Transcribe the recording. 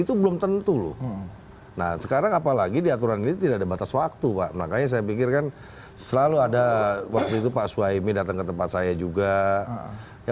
itu belum tentu loh nah sekarang apalagi di aturan ini tidak ada batas waktu pak makanya saya pikirkan selalu ada waktu itu pak suhaimi datang ke tempat saya juga